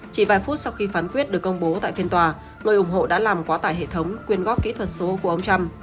chỉ vài phút sau khi phán quyết được công bố tại phiên tòa người ủng hộ đã làm quá tải hệ thống quyên góp kỹ thuật số của ông trump